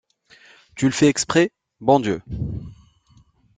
Tu le fais exprès, bon Dieu.